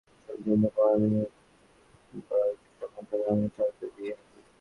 অষ্টম শ্রেণিতে পড়া অবস্থায় কৃষক মতিয়ার রহমানের সঙ্গে সাজেদার বিয়ে হয়।